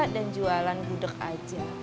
dan jualan gudeg aja